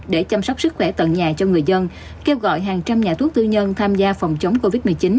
để chăm sóc sức khỏe tận nhà cho người dân kêu gọi hàng trăm nhà thuốc tư nhân tham gia phòng chống covid một mươi chín